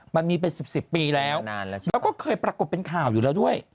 มันมีเป็น๑๐ปีแล้วแล้วก็เคยปรากฏเป็นข่าวอยู่แล้วด้วย